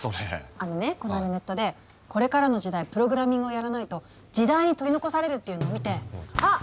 あのねこないだネットでこれからの時代プログラミングをやらないと時代に取り残されるっていうのを見てあっ！